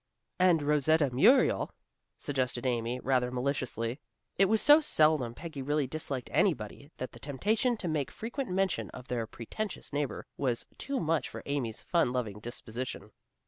"And Rosetta Muriel," suggested Amy, rather maliciously. It was so seldom Peggy really disliked anybody that the temptation to make frequent mention of their pretentious neighbor was too much for Amy's fun loving disposition.